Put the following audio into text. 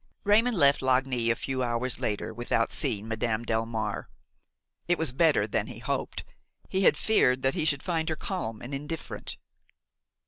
Raymon left Lagny a few hours later without seeing Madame Delmare. It was better than he hoped; he had feared that he should find her calm and indifferent.